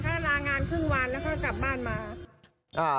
ถ้าลางานครึ่งวันแล้วก็กลับบ้านมาอ่า